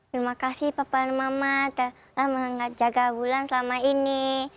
terima kasih bapak dan mama telah menjaga bulan selama ini